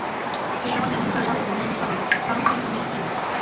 শেখ জামাল ধানমন্ডি ক্লাবের সভাপতি মনজুর কাদের সানন্দে তাঁকে সম্মতিও দিলেন।